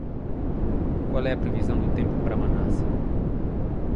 Qual é a previsão do tempo para Manassa??